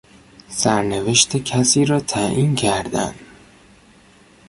سرنوشت کسی را تعیین کردن